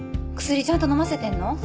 薬ちゃんと飲ませてんの？